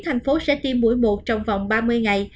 thành phố sẽ tiêm mũi một trong vòng ba mươi ngày